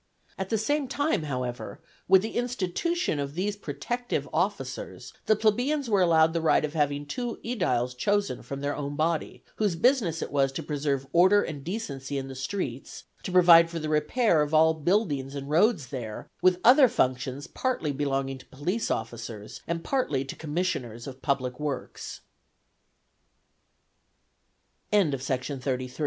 At the same time, however, with the institution of these protective officers, the plebeians were allowed the right of having two ædiles chosen from their own body, whose business it was to preserve order and decency in the streets, to provide for the repair of all buildings and roads there, with other functions partly belonging to police officers, and partly to commissioners of public works. THE BATTLE OF MARATHON B.